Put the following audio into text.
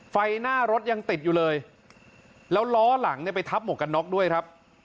ไฟหน้ารถยังติดอยู่เลยแล้วล้อหลังเนี่ยไปทับหมวกกันน็อกด้วยครับ